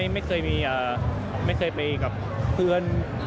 ไม่เคยมากับเพื่อน